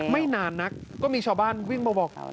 ไม่นานนักก็มีชาวบ้านวิ่งมาบอก